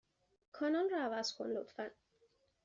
کانال را عوض کن، لطفا.